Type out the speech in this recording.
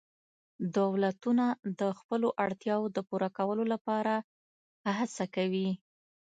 دولتونه د خپلو اړتیاوو د پوره کولو لپاره هڅه کوي